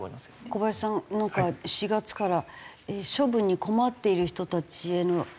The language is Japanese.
小林さんなんか４月から処分に困っている人たちへのいい制度ができる？